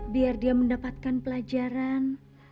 biar dia mendapatkan pelajaran